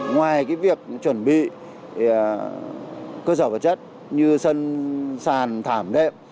ngoài việc chuẩn bị cơ sở vật chất như sân sàn thảm đệm